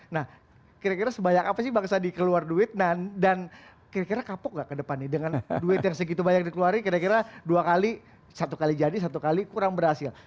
nah kira kira sebanyak apa sih bang sandi keluar duit dan kira kira kapok gak ke depan nih dengan duit yang segitu banyak dikeluarin kira kira dua kali satu kali jadi satu kali kurang berhasil